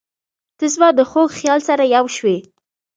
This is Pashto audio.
• ته زما د خوږ خیال سره یوه شوې.